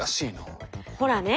ほらね